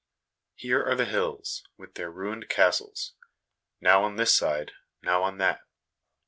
Here are the hills, with their ruined castles now on this side, now on that.